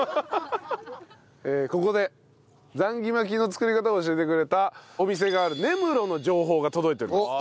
ここでザンギ巻きの作り方を教えてくれたお店がある根室の情報が届いております。